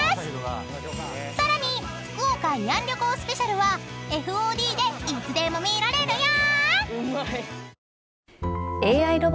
［さらに福岡慰安旅行スペシャルはＦＯＤでいつでも見られるよ］